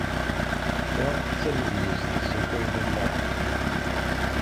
Ta d tamedyazt issakayen allaɣen.